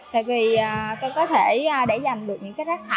tại vì tôi có thể để dành được những rác thải ở nhà